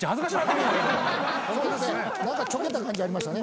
何かちょけた感じありましたね。